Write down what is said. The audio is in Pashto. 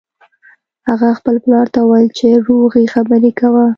هغه خپل پلار ته وویل چې روغې خبرې کوه